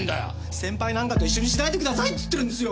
先輩なんかと一緒にしないでくださいって言ってるんですよ！